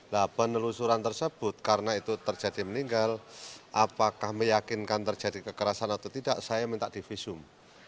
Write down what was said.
nah penelusuran tersebut karena itu terjadi meninggal apakah meyakinkan terjadi kekerasan atau tidak saya minta di visum